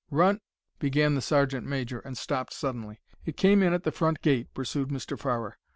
"Run—" began the sergeant major, and stopped suddenly. "It came in at the front gate," pursued Mr. Farrer.